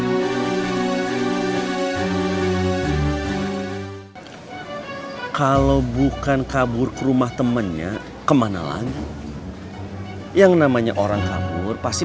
kalau bukan kabur ke rumah temennya kemana lagi yang namanya orang kabur pasti